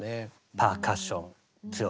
パーカッション強めの。